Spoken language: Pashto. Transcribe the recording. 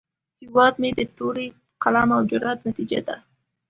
هیواد مې د تورې، قلم، او جرئت نتیجه ده